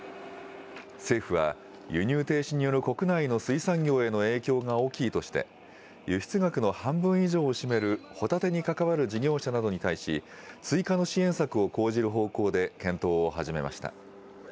政府は、輸入停止による国内の水産業への影響が大きいとして、輸出額の半分以上を占めるホタテに関わる事業者などに対し、追加の支援策を講じる方向で検討を始めました。